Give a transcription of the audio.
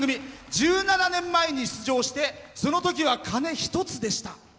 １７年前に出場してそのときは鐘１つでした。